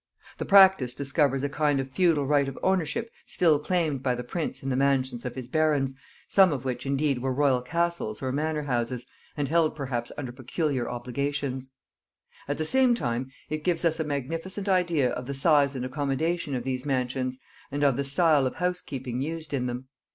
The practice discovers a kind of feudal right of ownership still claimed by the prince in the mansions of his barons, some of which indeed were royal castles or manor houses and held perhaps under peculiar obligations: at the same time it gives us a magnificent idea of the size and accommodation of these mansions and of the style of house keeping used in them.